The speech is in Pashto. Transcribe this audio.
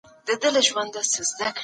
حقیقي ملي عاید په دقیق ډول اندازه کیږي.